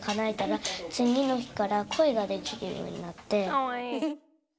かわいい。